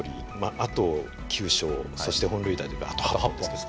あと９勝そして本塁打というかあと８本です。